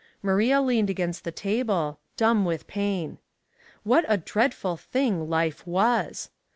Maria leaned against the table, dumb with pain. What a dreadful thing life was!